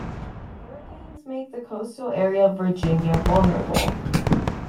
Hurricanes make the coastal area of Virginia vulnerable.